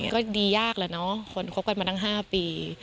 ก็ดียากแล้วเนอะคนคบกันมาตั้ง๕ปี